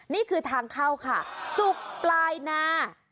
นี่คือทางเข้าค่ะศุกร์ปลายนา